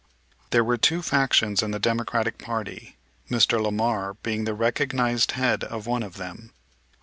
There were two factions in the Democratic party, Mr. Lamar being the recognized head of one of them.